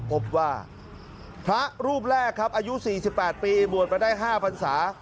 พบว่าพระรูปแรกครับอายุ๔๘ปีบวชมาได้๕พันศา